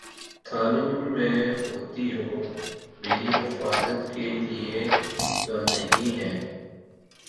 تھانوں میں ہوتی ہو، میری حفاظت کے لیے تو نہیں ہے۔